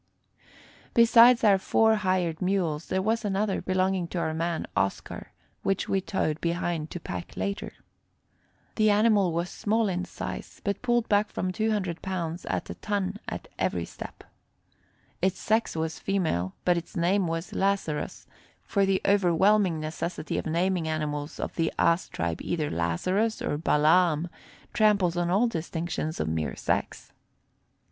Besides our four hired mules there was another, belonging to our man, Oscar, which we towed behind to pack later. The animal was small in size, but pulled back from 200 pounds to a ton at every step. Its sex was female, but its name was Lazarus, for the overwhelming necessity of naming animals of the ass tribe either Lazarus or Balaam tramples on all distinctions of mere sex.